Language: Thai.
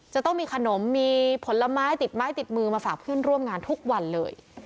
จะต้องมีขนมมีผลไม้ติดไม้ติดมือมาฝากเพื่อนร่วมงานทุกวันเลย